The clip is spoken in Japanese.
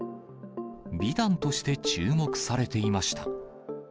美談として注目されていました。